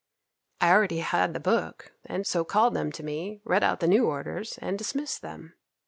"I already had the book, and so called them to me, read out the new orders, and dismissed them.